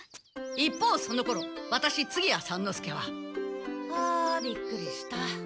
一方そのころワタシ次屋三之助はあびっくりした。